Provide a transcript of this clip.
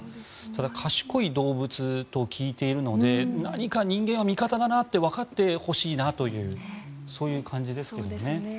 賢い動物と聞いているので人間は味方だなってわかってほしいなというそういう感じですけどね。